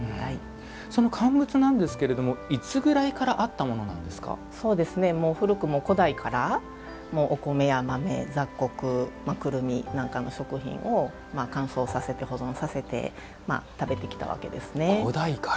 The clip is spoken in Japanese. その乾物なんですけれどもいつぐらいからもう古くも古代からお米や豆、雑穀くるみなんかの食品を乾燥させて保存させて食べてきたわけですね。